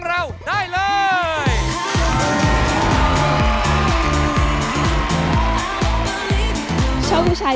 สวัสดีครับสวัสดีครับ